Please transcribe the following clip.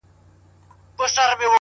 څومره چي يې مينه كړه؛